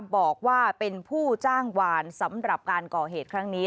บอกว่าเป็นผู้จ้างวานสำหรับการก่อเหตุครั้งนี้